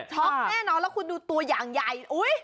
แน่นอนแล้วคุณดูตัวอย่างใหญ่